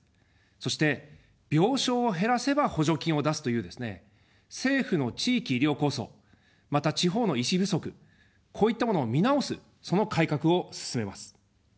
そして、病床を減らせば補助金を出すというですね、政府の地域医療構想、また地方の医師不足、こういったものを見直す、その改革を進めます。